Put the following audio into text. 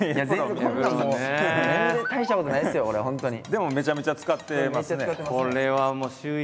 でもめちゃめちゃ使ってますね。